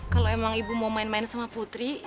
kalau emang ibu mau main main sama putri